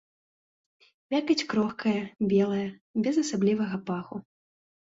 Мякаць крохкая, белая, без асаблівага паху.